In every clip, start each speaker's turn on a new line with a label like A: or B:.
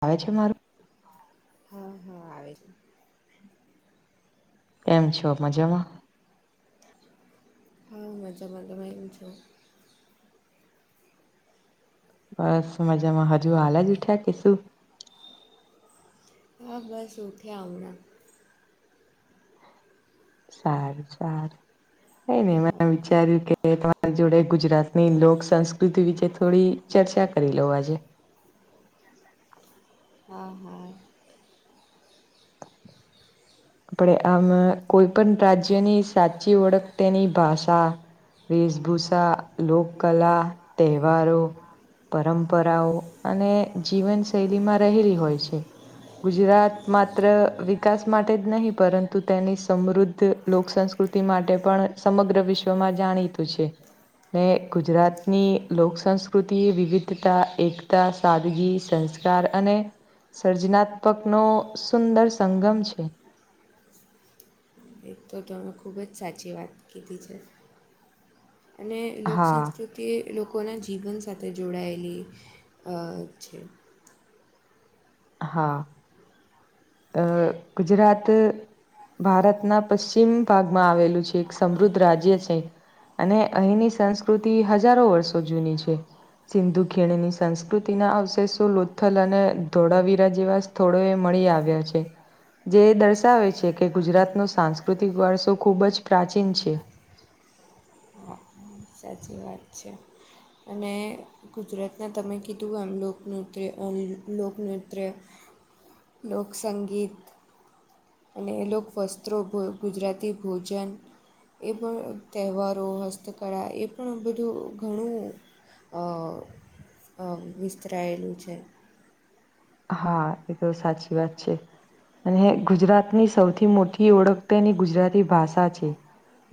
A: આવે છે, મારું
B: હા હા આવે
A: કેમ છો મજામાં?
B: હા મજામાં તમે કેમ છો?
A: બસ મજામાં હજુ હાલે જ ઉઠ્યા કે શું?
B: હા બસ ઉઠ્યા હમણા
A: સારું સારું ન નયને મે વિચાર્યું કે એ તમારી જોડે ગુજરાતની લોક સંસ્કૃતિ વિચે થોડી ચર્ચા કરી લઉ આજે
B: હા હા.
A: આપણે આમ કોઈ પણ રાજ્યની સાચી ઓળખ તેની ભાષા વેશભૂષા લોક કલા તહેવારો પરંપરાઓ અને જીવનશૈલીમાં રહેલી હોય છે. ગુજરાત માત્ર વિકાસ માટ તે જ નહીં પરંતુ તેની સમૃદ્ધ લોકસંસ્કૃતિ માટે પણ સમગ્ર વિશ્વમાં જાણી છે. ને ગુજરાતની લોક સંંસ્કૃતિ વિવિધતા એકતા સાદગી સંસ યાર અને સર્જનાત્મક નો સુંદર સંગમ છે.
B: અતો તમે ખુબ જ સાચી વાત કીધી છે અને લોક
A: હા
B: સંંસ્કૃતિ તે લોકોના જીવન સાથે જોડાયેલી અ છે.
A: હા અ ગુજરાત ભારતના પશ્ચિમ ભાગમાં આવેલું છે એક સમૃદ્ધ રાજ્ય છે. અને અહીંની સંસ્કૃતિ હજારો વર્ષો જૂની છે. સિંધુ ખીણની સંસ્કૃતિના અવશેષો લોથલ અને ધોળાવીરા જેવા થોડો એ મળી આવ્યા છે. જે દર્શાવે છે, કે ગુજરાતનો સાંસ્કૃતિક વારસો ખૂબ જ પ્રાચીન છે.
B: હા હા, સાચી વાત છે, અને ગુજરાતનાં તમે કીધું આમ લોકનૃત્ય લોકનૃત્ય લોકસંગીત અને એ લો વસ્ત્રો ભ ભૂ ગુજરાતી ભોજન એ પણ તહેવારો હસ્તકળા એ પણ બધું ઘણું વિસ્તરાયેલું છે.
A: હા એ તો સાચી વાત છે. અને ગુજરાતની સૌથી મોટી ઓળખ તેની ગુજરાતી ભાષા છે.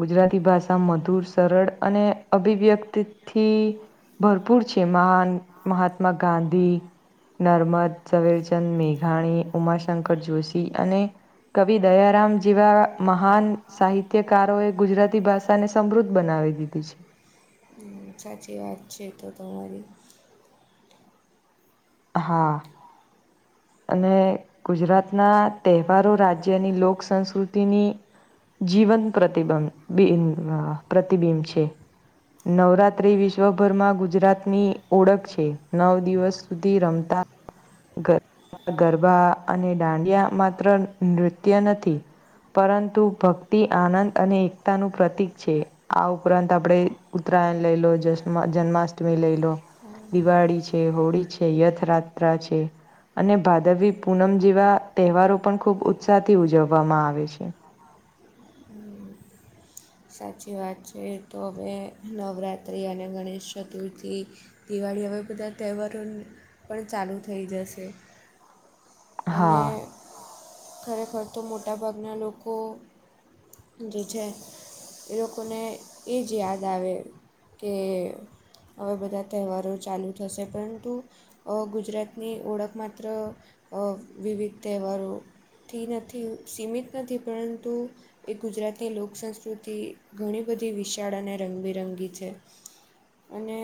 A: ગુજરાતી ભાષા મધુર સરળ અને અભિવ્યક્તિથી ભરપૂર છે મહાન મહાત્મા ગાંધી નર્મદ ઝવેરચંદ મેઘાણી ઉમાશંકર જોશી અને કવિ દયારામ જેવા મહાન સાહિત્યકારો એ ગુજરાતી ભાષા તને સમૃદ્ બનાવી દીધી છે.
B: સાચી વાત છે એ તો તમારી
A: હા અને ગુજરાતના તહેવારો રાજ્યની લોક સંંસ્કૃતિની જીવન પ્રતિબબિ પ્રતિબિંબ છે. નવરાત્રી વિશ્વભરમાં ગુજરાતની ઓળખ છે, નવ દિવસ સુધી રમતા ગરબા અને દાંડિયા માત્ર નૃત્ય નથી પરંતુ ભક્તિ આનંદ અને એકતાનું પ્રતીક છે. આ ઉપરાંત આપણે ઉત્તરાયણ લઈ લો જ, જન્માષ્ટમી લઈ લો દિવાળી છે હોળી છે યથરાત્રા છે. અને ભાદવી પૂનમ જેવા તહેવારો પણ ખૂબ ઉત્સાહથી ઉજવવામાં આવે છે.
B: [unintelligible] સાચી વાત છે તો હવે નવરાત્રિ અને ગણેશ ચતુર્થી જી દિવાળી હવે બધા તહેવારો પણ ચાલુ થઈ જશે અને
A: હા
B: ખરેખર તો મોટા ભાગના લોકો જે છે. એ લોકોને એ જ યાદ આવે કે હવા બધા તહેવારો ચાલુ થશે પરંતુ ગુજરાતની ઓળખ માત્ર વિવિધ તહેવારો થી નથી સીમિત નથી પરંતુ એ ગુજરાતની લોકસંસ્કૃત થી એઘણી બધી વિશાળ અને રંગબિરંગી છે, અને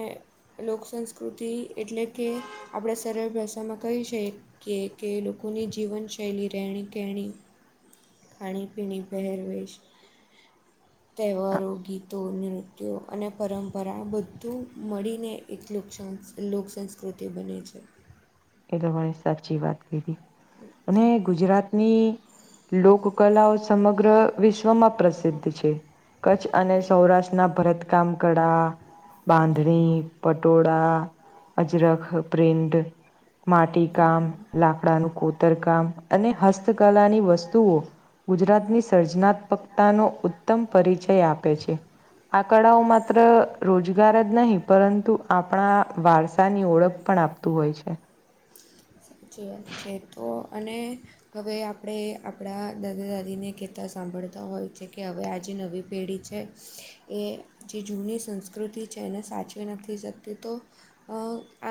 B: લોકસંસ્કૃતિ એટલે કે આપણા સરળ ભાષામાં કહિસે કે કે લોકોની જીવનશૈલી રહેણી કહેણી ખાણી પીણી પહેરવેશ તહેવારો ગીતો નૃત્યો અને પરંપરા બધું મળીને એક લોકસ લોક સંંસ્કૃતિ બને છે,
A: એ તો મને સાચી વાત કધી અને ગુજરાતની લોક કલાઓ સમગ્ર વિશ્વમાં પ્રસિદ્ધ છે. કચ્છ અને સૌરાષ્ટ્રના ભરતકામ કળા બાંધણી પટોળા અજરક પ્રિડ માટી કામ લાકડાનું કોતરકામ અને હસ્તકલાની વસ્તુઓ ગુજરાતની સર્જનાત્મકતાનો ઉત્તમ પરિચય આપે છે. આ કળાઓ માત્ર રોજગાર જ નહીં પરંતુ આપણા વારસાની ઓળખ પણ આપતું હોય છે,
B: છે છૅતો અને હવે આપણે આપણા દાદા દાદીને કહેતાં સાંભળતા હોય છે, કે હવે આજે નવી પેઢી છે. એ જે જૂની સંસ્કૃતિ છે, એને સાચવી નથી શકતી તો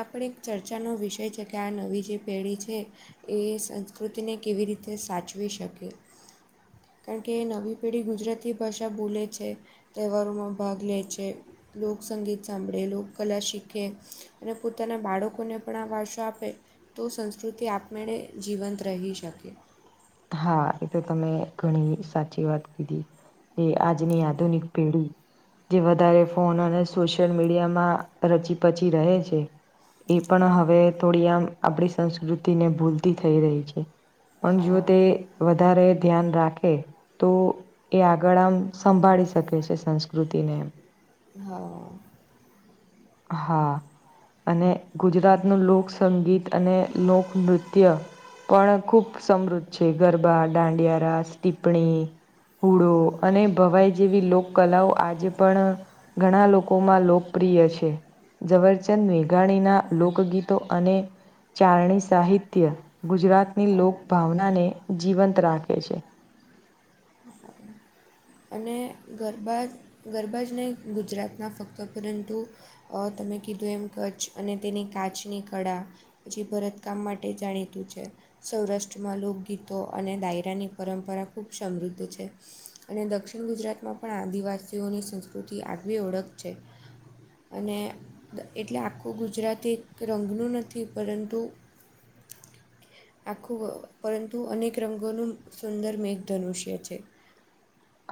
B: આપણે એક ચર્ચાનો વિષય છે, કે આ નવી જે પેઢી છે, એ સંસ્કૃતિને કેવી રીતે સાચવી શકે. કારણ કે નવી પેઢી ગુજરાતી ભાષા બોલે છે. તહેવારોમાં ભાગ લે છે, લોકસંગીત સાંભળે લોકકલા શીખે અને પોતાના બાળકોને પણ આ વારસો આપે તો સંસ્કૃતિ આપણેણે જીવંત રહી શકી.
A: હા એ તો તમે ઘણી સાચી વાત કીધી એ આજની આધુનિક પેઢી જે વધારે ફોન અને સોશિયલ મીડિયામાં રચી પચી રહે છે, એ પણ
B: હા
A: હવે થોડી આમ આપણી સંસ્કૃતિને ભૂલતી થઈ રહી છે, પણ
B: હા
A: જો તે વધારે ધ્યાન રાખે તો એ આગળ આમ સંભાળી શકે છે, સંસ્કૃતિને એમ
B: હામ્મ
A: હા અને ગુજરાત ત ન લોકસંગીત અને લોકનૃત્ય પણ ખૂબ સમૃદ્ધ છે ગરબા દાંડિયારાસા ટીપ્પણી હુડો અને ભવાઈ જેવી લોક કલાઓ આજે પણ ઘણા લોકો લોકોમાં લોકપ્રિય છે. ઝવેરચંદ મેઘાણીના લોકગીતો અને ચારણી સાહિ સાહિત્ય ગુજરાતની
B: હા
A: લોકભાવનાને જીવંત રાખે છે.
B: હ [inaudible] અને ગરબા ગરબા જ નહીં ગુજરાતના ફક્ત પરંતુ તમે કીધું એમ કચ્છ અને તેની કાચની કળા પછી ભરત કામ માટે જાણીતું છે. સૌરાષ્ટ્રમાં લોકગીતો અને ડાયરાની પરંપરા ખૂબ સમૃદ્ધ છે. અને દક્ષિણ ગુજરાતમાં પણ આદિવાસીઓની સંસ્કૃતિ આગવી ઓળખ છે. અને એટલે આખું ગુજરાતી એક રંગનું નથી પરંતુ [inaudible] આખું પરંતુ અનેક રંગોનું સુંદર મેઘ ધનુષ્ય છે.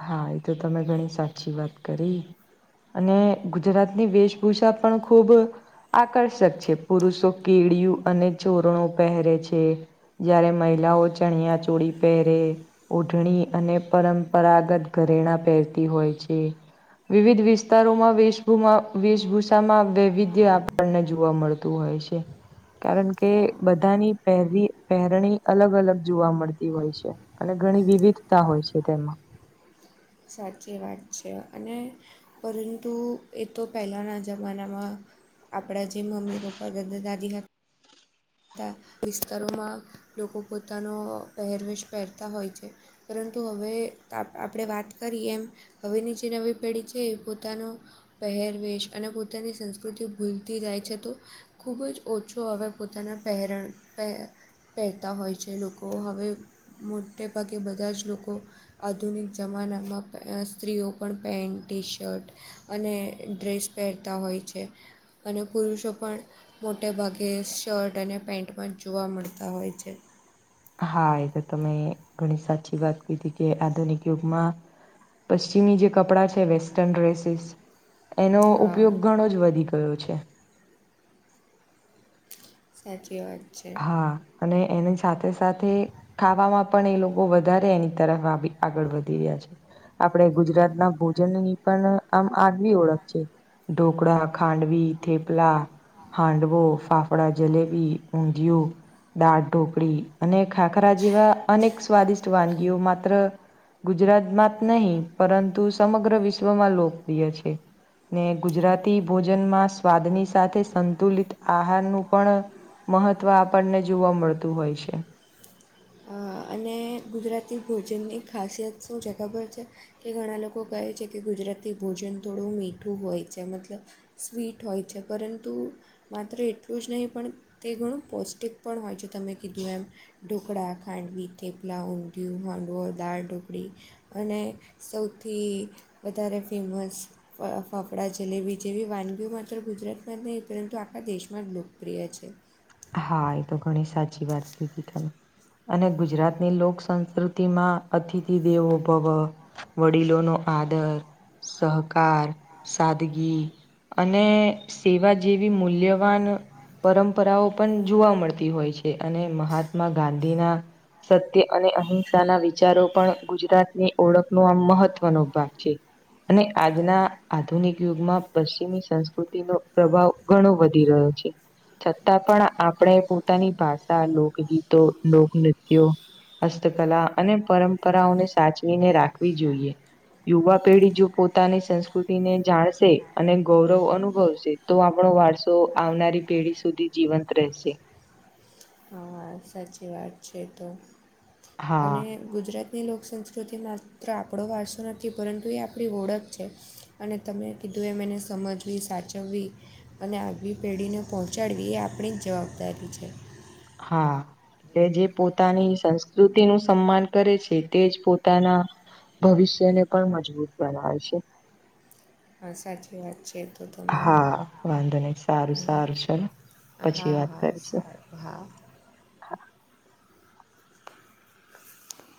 A: હા એ તો તમે ઘણી સાચી વાત કરી. અને ગુજરાતની વેશભૂષા પણ ખૂબ આકર્ષક છે પુરુષો કેડીયુ અને ચોરણો પહેરે છે. જ્યારે મહિલાઓ ચણિયા ચોડી પહેરે ઓઢણી અને પરમ પરાગત ઘરેણા પહેરતી હોય છે. વિવિધ વિસ્તારોમાં વભૂ વેશભૂષ માં વૈવિધ્ય આપણને જોવા મળતું હોય છે. કારણ કે બધાની પહેરવી પહેરણી અલગ અલગ જોવા મળતી હોય છે અને ઘણી વિવિધતા હોય છે તેમાં
B: સાચી વાત છે અને પરંતુ એ તો પહેલાંના જમાનામાં આપણા જે મમ્મી પપ્પા દાદા દાદી હતા બધા વિસ્તારોમાં લોકો પોતાનો પહેરવેશ પહેરતા હોય છે. પરંતુ હવે આપણે વાત કરીએ એમ હવેની જે નવી પેઢી છે એ પોતાનું પહેરવેશ અને પોતાની સંસ્કૃતિ ભૂલતી જાય છે તો ખૂબ જ ઓછો હવે જેના પહેરણ પહે પહેરતા હોય છે લોકો હવે મોટે ભાગે બધા જ લોકો આધુનિક જમાનામાં સ્ત્રીઓ પણ પેન્ટ ટી શર્ટ અને ડ્રેસ પહેરતા હોય છે. અને પુરુષો પણ મોટે ભાગે શર્ટ અને પેન્ટમાં જોવા મળતા હોય છે.
A: હા એ તો તમે ઘણી સાચી વાત કીધી કે આધુનિક યુગમાં પશ્ચિમી જે કપડાં છે વેસ્ટર્ન ડ્રેસીસ એનો
B: હા
A: ઉપયોગ ઘણો જ વધી ગયો છે.
B: સાચી વાત. છે
A: હા અને એની સાથે સાથે ખાવામાં પણ એ લોકો વધારે એની તરફ આવી આગળ વધી રહ્યા છે આપણે ગુજરાતના ભોજનની પણ આમ આગવી ઓળખ છે ઢોકળા ખાંડવી થેપલા હાંડવો ફાફડા જલેબી ઊંધિયું દાળ ઢોકળી અને ખાખરા જેવા અનેક સ્વાદિષ્ટ વાનગીઓ માત્ર ગુજરાતમાં જ નહી પરંતુ સમગ્ર વિશ્વમાં લોકપ્રિય છે. ને ગુજરાતી ભોજનમાં સ્વાદની સાથે સંતુલિત આહારનું પણ મહત્વ આપણને જોવા મળતું હોય છે.
B: અને ગુજરાતી ભોજનની ખાસિયત શું જગબર છે. કે ઘણા લોકો કહે છે કે ગુજરાતી ભોજન થોડું મીઠું હોય છે. મતલબ- સ્વીટ હોય છે પરંતુ- માત્ર એટલું જ નહીં પણ તે ઘણું પૌષ્ટિક પણ હોય છે તમે કીધું એમ ઢોકળા- ખાડવી થેપલા ઊંટયું હમાંડવો દાળ ઢોકળી- અને સૌથી વધારે ફેમસ- ફ ફફડાં જલેબી જેવી વાનગીઓ માત્ર ગુજરાતમાં જ નહીં પરંતુ આખા દેશમાં જ લોકપ્રિય છે.
A: હા એ તો ઘણી સાચી વાત કીધી તમે- અને ગુજરાતની લોક સંંસ્કૃતિ માં અતિથિ દેવો ભવ- વડીલો નો આદર સહકાર સાદગી- અને સેવા જેવી મૂલ્યવાન પરંપરાઓ- પણ જોવા મળતી હોય છે અને મહાત્મા ગાંધીના- સત્ય અને અહિંસાના વિચારો પણ ગુજરાતની ઓળખનો આ મહત્વનો ભાગ છે. અને આજના આધુનિક યુગમાં પશ્ચિમી સંસ્કૃતિનોો પ્રભાવ- ઘણો વધી રહ્યો છે છતાં પણ- આપણે પોતાની ભાષા લોકગીતો લોકનૃત્યો- હસ્તકલા અને પરંપરાઓને સાચવીને રાખવી જોઈએ- યુવા પેઢી જો પોતાની સંસ્કૃતિ ને જાણશે અને ગૌરવ અનુભવશે- તો આપણો વારસો આવનારી પેઢી સુધી જીવંત રહેશે-
B: હા સાચી વાત છે તો
A: હા
B: અને- ગુજરાતની લોકસંસ્કૃતિ માત્ર આપણો વારસો નથી પરંતુ એ આપણી ઓળખ છે. અને તમે કીધું એમ એને સમજવી સાચવવી- અને આગવી પેઢીને પહોંચાડવી એ આપણી જ જવાબદારી છે.
A: હા. એ જે પોતાની સંસ્કૃતિનું સન્માન કરે છે તેજ પોતાના ભવિષ્યને પણ મજબૂત બનાવે છે.
B: હા સાચી વાત છે. તો
A: હા વાંધો નહી સારું
B: તમારે
A: સારું ચલો પછી
B: હા
A: વાત
B: હા
A: કરીશું
B: સારું- હા [inaudible]